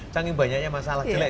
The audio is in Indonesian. sangking banyaknya masalah jelek